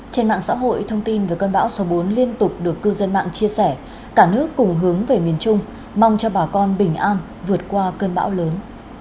trên mạng xã hội thông tin về cơn bão số bốn liên tục được cư dân mạng chia sẻ cả nước cùng hướng về miền trung mong cho bà con bình an vượt qua cơn bão lớn